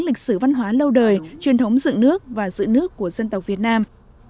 lịch sử văn hóa lâu đời truyền thống dựng nước và giữ nước của dân tộc việt nam